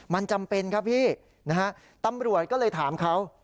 มันจำเป็นครับพี่นะฮะตำรวจก็เลยถามเขา